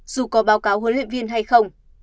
dù có báo cáo huấn luyện viên hay không